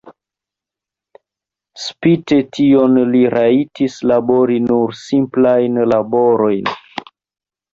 Spite tion li rajtis labori nur simplajn laborojn.